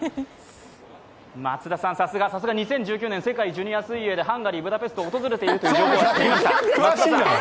松田さん、さすが２０１９年、世界ジュニアでハンガリー・ブダペストと訪れているという情報は知っていました。